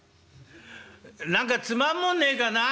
何かつまむもんねえかな？」。